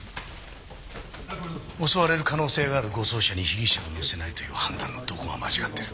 襲われる可能性がある護送車に被疑者を乗せないという判断のどこが間違っている？